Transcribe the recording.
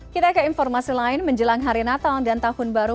kita ke informasi lain menjelang hari natal dan tahun baru